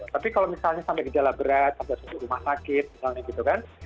tapi kalau misalnya sampai gejala berat sampai satu rumah sakit misalnya gitu kan